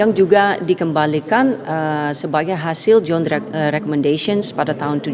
ini juga dikembalikan sebagai hasil john's recommendations pada tahun seribu sembilan ratus tujuh puluh lima